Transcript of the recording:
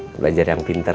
belajar yang pinter